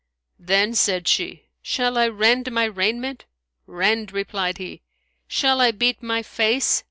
Then said she, "Shall I rend my raiment?" "Rend!" replied he. "Shall I beat my face?"